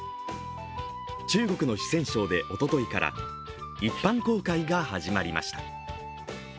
中国の四川省でおとといから一般公開が始まりました。